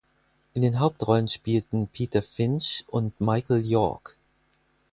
In den Hauptrollen spielten Peter Finch und Michael York.